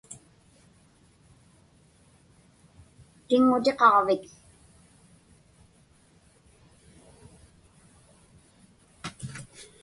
tiŋŋutiqaġvik